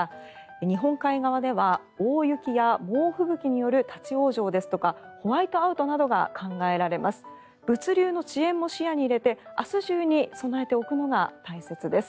日本海側では大雪や猛吹雪による立ち往生ですとかホワイトアウトなどが考えられます。